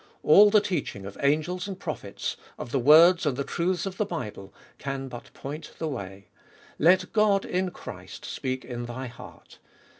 All the teaching of angels and prophets, of the words and the truths of the Bible, can but point the way : let God in Christ speak in thy heart.